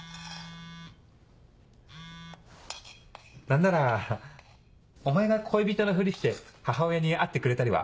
何ならお前が恋人のふりして母親に会ってくれたりは。